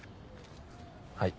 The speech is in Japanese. はい。